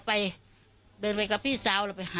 อ่า